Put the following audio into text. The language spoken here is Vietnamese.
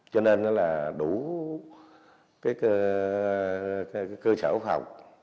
cho nên nó là đủ cái cơ sở phòng